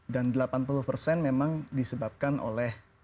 dan delapan puluh persen memang disebabkan oleh